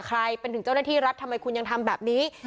ใครเป็นถึงเจ้าหน้าที่รัฐทำไมคุณยังทำแบบนี้